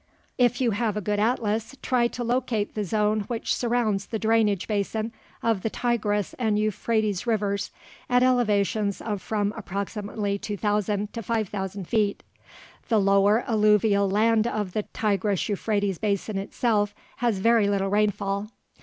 If you have a good atlas, try to locate the zone which surrounds the drainage basin of the Tigris and Euphrates Rivers at elevations of from approximately 2,000 to 5,000 feet. The lower alluvial land of the Tigris Euphrates basin itself has very little rainfall.